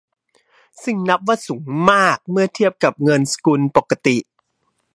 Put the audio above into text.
ซึ่งนับว่าสูงมากเมื่อเทียบกับเงินสกุลปกติ